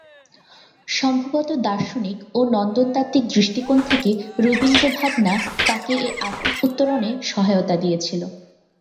সম্ভবত দার্শনিক ও নন্দনতাত্ত্বিক দৃষ্টিকোণ থেকে ররীন্দ্রভাবনা তাঁকে এ আত্মিক উত্তরণে সহায়তা দিয়েছিল।